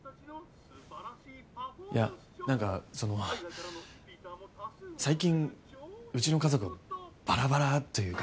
いや何かその最近うちの家族ばらばらというか。